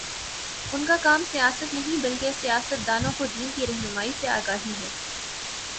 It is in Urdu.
ان کا کام سیاست نہیں، بلکہ سیاست دانوں کو دین کی رہنمائی سے آگاہی ہے